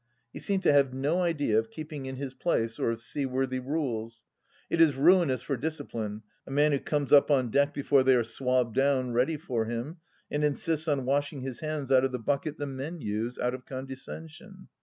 He seemed to have no idea of keeping in his place, or of seaworthy rules. It is ruinous for discipline, a man who comes up on deck before they are swabbed down ready for him, and insists on washing his hands out of the bucket the men use, out of condescension